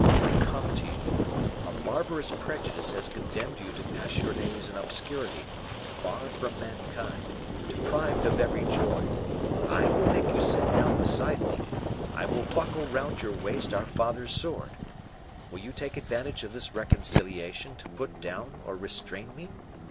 I come to you. A barbarous prejudice has condemned you to pass your days in obscurity, far from mankind, deprived of every joy. I will make you sit down beside me; I will buckle round your waist our father's sword. Will you take advantage of this reconciliation to put down or restrain me?